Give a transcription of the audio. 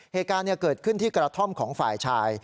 เหตุการณ์เกิดขึ้นที่กระท่อมของฝ่ายชาย